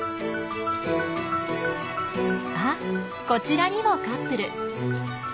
あこちらにもカップル。